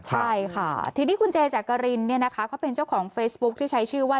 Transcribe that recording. ใช่ค่ะทีนี้คุณเจจักรินเนี่ยนะคะเขาเป็นเจ้าของเฟซบุ๊คที่ใช้ชื่อว่า